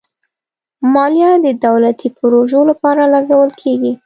مالیه د دولتي پروژو لپاره لګول کېږي.